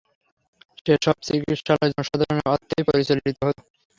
সে-সব চিকিৎসালয় জনসাধারণের অর্থেই পরিচালিত হত।